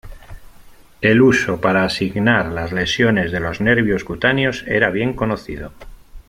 El uso para asignar las lesiones de los nervios cutáneos era bien conocido.